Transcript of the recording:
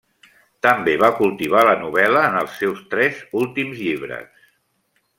També va cultivar la novel·la en els seus tres últims llibres.